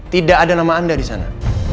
tidak ada nama anda di sana